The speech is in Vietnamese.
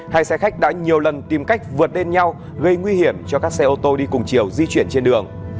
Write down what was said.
hai xe khách đã nhiều lần tìm cách vượt lên nhau gây nguy hiểm cho các xe ô tô đi cùng chiều di chuyển trên đường